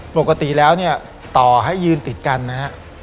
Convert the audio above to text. ปกติแล้วต่อให้ยืนติดกันนะ